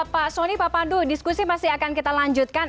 pak soni pak pandu diskusi masih akan kita lanjutkan